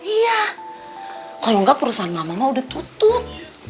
iya kalau enggak perusahaan mama mama udah tutup